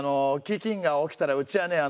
ききんが起きたらうちはね